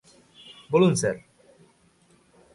বলুন, স্যার?